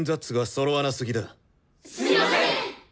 すみません！